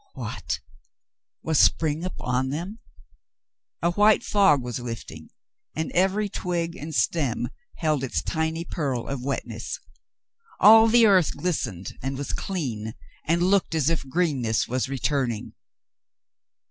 What ! Was spring upon them ? A white fog was lifting, and every twig and stem held its tiny pearl of wetness. All the earth glistened and was clean and looked as if greenness was returning.